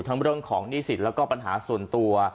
ทั้งเรื่องของนี้สิทธิ์และปัญหาส่วนตัว